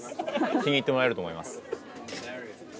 気に入ってもらえると思います。